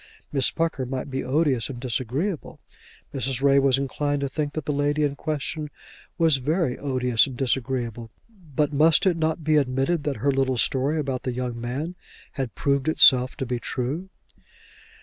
Miss Pucker might be odious and disagreeable; Mrs. Ray was inclined to think that the lady in question was very odious and disagreeable; but must it not be admitted that her little story about the young man had proved itself to be true?